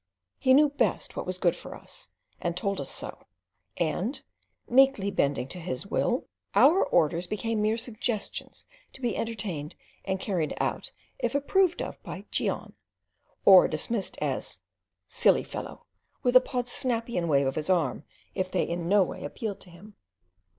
He knew best what was good for us, and told us so, and, meekly bending to his will, our orders became mere suggestions to be entertained and carried out if approved of by Cheon, or dismissed as "silly fellow" with a Podsnapian wave of his arm if they in no way appealed to him.